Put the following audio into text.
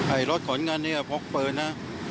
ไอ้รถขนกันเนี่ยพล็อกเปลือนนะ